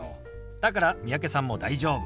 だから三宅さんも大丈夫。